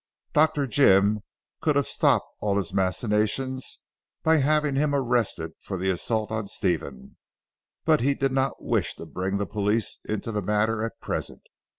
Dr. Jim could have stopped all his machinations, by having him arrested for the assault on Stephen. But he did not wish to bring the police into the matter at present.